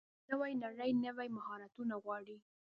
نوې نړۍ نوي مهارتونه غواړي.